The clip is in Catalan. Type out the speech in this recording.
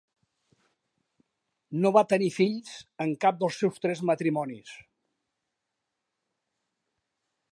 No va tenir fills en cap dels seus tres matrimonis.